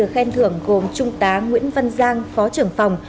khen thưởng gồm trung tá nguyễn văn giang phó trưởng phòng